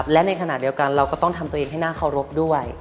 และในขณะเดียวกันเราก็ต้องทำตัวเองให้น่าเคารพด้วย